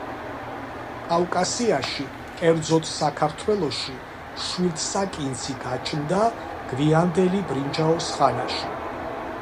კავკასიაში, კერძოდ საქართველოში, მშვილდსაკინძი გაჩნდა გვიანდელი ბრინჯაოს ხანაში.